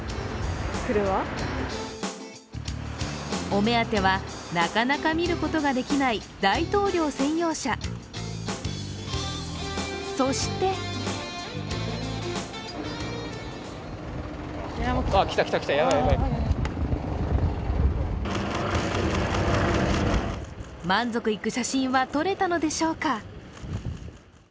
お目当てはなかなか見ることができない大統領専用車、そして満足いく写真は撮れたのでしょうか。